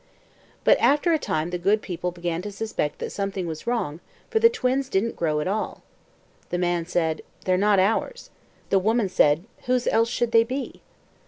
But after a time the good people began to suspect that something was wrong, for the twins didn't grow at all. The man said: "They're not ours." The woman said: "Whose else should they be?"